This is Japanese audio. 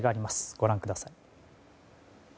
ご覧ください。